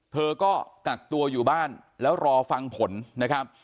เธอก็กักตัวอยู่บ้านแล้วรอฟังผลนะครับ